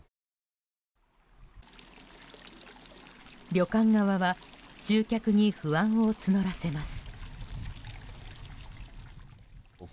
旅館側は集客に不安を募らせます。